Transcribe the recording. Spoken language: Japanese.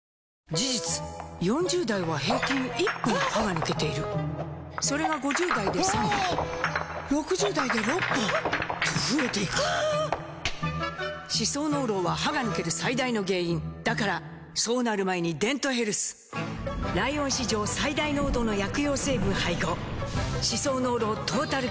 事実４０代は平均１本歯が抜けているそれが５０代で３本６０代で６本と増えていく歯槽膿漏は歯が抜ける最大の原因だからそうなる前に「デントヘルス」ライオン史上最大濃度の薬用成分配合歯槽膿漏トータルケア！